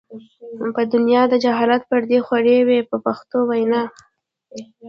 په دنیا د جهالت پردې خورې وې په پښتو وینا.